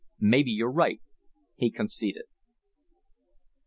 "Maybe you're right," he conceded.